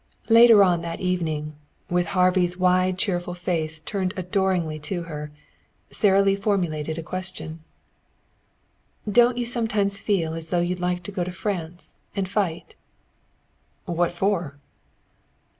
Later on that evening, with Harvey's wide cheerful face turned adoringly to her, Sara Lee formulated a question: "Don't you sometimes feel as though you'd like to go to France and fight?" "What for?"